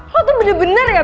oh tuh bener bener ya